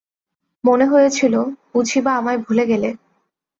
মনে হয়েছিল, বুঝি বা আমায় ভুলে গেলে।